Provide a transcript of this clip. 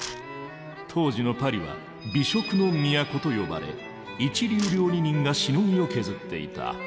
当時のパリは「美食の都」と呼ばれ一流料理人がしのぎを削っていた。